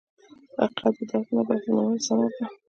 حقیقت د درک نه، بلکې د منلو ثمره ده.